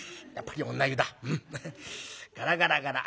ガラガラガラ。